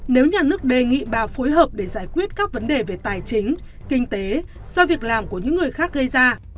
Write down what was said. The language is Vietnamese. nếu nhà nước đề nghị bà phối hợp để giải quyết các vấn đề về tài chính kinh tế do việc làm của những người khác gây ra